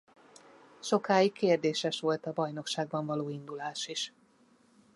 Sokáig kérdéses volt a bajnokságban való indulás is.